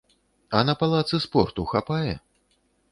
А на палацы спорту хапае?